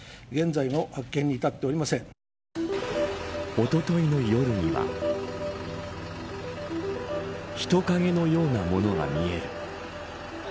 おとといの夜には人影のようなものが見える。